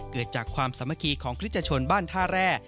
เกิดจากความสามัคคีของคริสชนบ้านท่าแร่